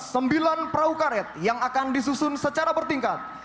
sembilan perahu karet yang akan disusun secara bertingkat